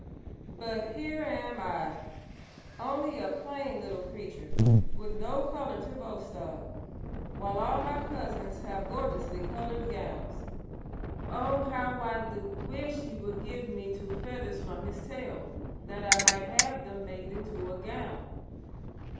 "But here am I, only a plain little creature, with no color to boast of, while all my cousins have gorgeously colored gowns. Oh, how I do wish he would give me two feathers from his tail that I might have them made into a gown!"